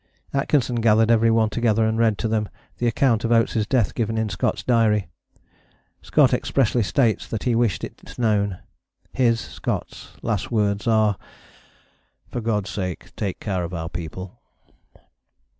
Atkinson gathered every one together and read to them the account of Oates' death given in Scott's Diary: Scott expressly states that he wished it known. His (Scott's) last words are: "For God's sake take care of our people."